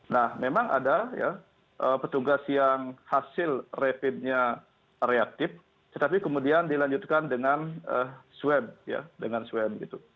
nah memang ada ya petugas yang hasil rapidnya reaktif tetapi kemudian dilanjutkan dengan swab ya dengan swab gitu